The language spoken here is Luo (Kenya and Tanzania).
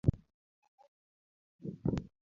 Amodho pii nam